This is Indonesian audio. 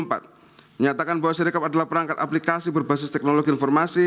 menyatakan bahwa sirecop adalah perangkat aplikasi berbasis teknologi informasi